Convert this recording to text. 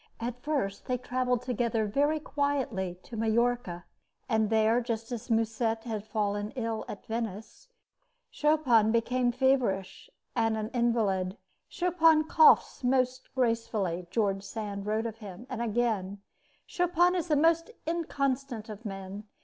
At first they traveled together very quietly to Majorca; and there, just as Musset had fallen ill at Venice, Chopin became feverish and an invalid. "Chopin coughs most gracefully," George Sand wrote of him, and again: Chopin is the most inconstant of men.